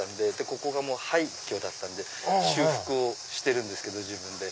ここが廃虚だったんで修復をしてるんですけど自分で。